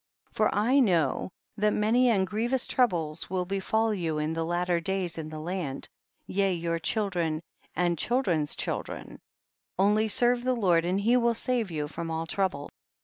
20. For I know that many and grievous troubles will befall you in the latter days in the land, yea your children and children's children; only serve the Lord and he will save you from all trouble.